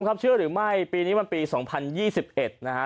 เชื่อหรือไม่ปีนี้มันปี๒๐๒๑นะฮะ